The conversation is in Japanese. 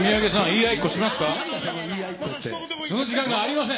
その時間はありません。